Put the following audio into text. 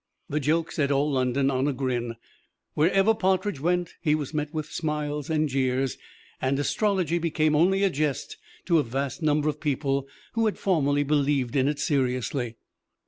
The joke set all London on a grin. Wherever Partridge went he was met with smiles and jeers, and astrology became only a jest to a vast number of people who had formerly believed in it seriously.